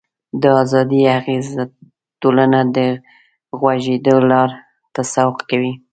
د ازادۍ اغېز ټولنه د غوړېدلو لارو ته سوق کوي.